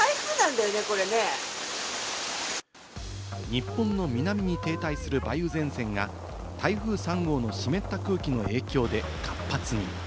日本の南に停滞する梅雨前線が台風３号の湿った空気の影響で活発に。